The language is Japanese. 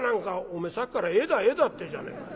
「おめえさっきから『絵だ絵だ』って言うじゃねえか。